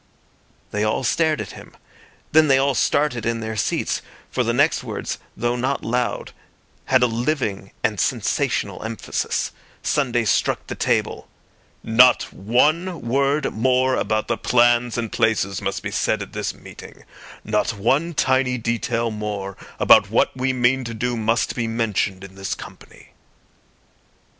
They all stared at him; then they all started in their seats, for the next words, though not loud, had a living and sensational emphasis. Sunday struck the table. "Not one word more about the plans and places must be said at this meeting. Not one tiny detail more about what we mean to do must be mentioned in this company."